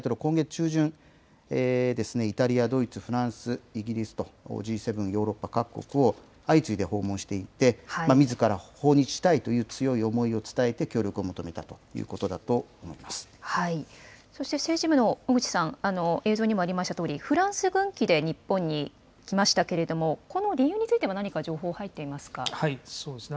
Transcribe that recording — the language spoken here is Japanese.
ゼレンスキー大統領、今月中旬、イタリア、ドイツ、フランス、イギリスと、Ｇ７、ヨーロッパ各国を相次いで訪問していて、みずから訪日したいという強い思いを伝えて協力を求めたというこそして政治部の小口さん、映像にもありましたとおり、フランス軍機で日本に来ましたけれども、この理由については何か情報入っていますか。